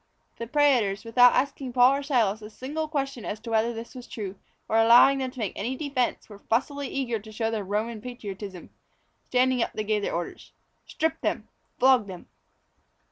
The prætors, without asking Paul or Silas a single question as to whether this was true, or allowing them to make any defence, were fussily eager to show their Roman patriotism. Standing up they gave their orders: "Strip them, flog them."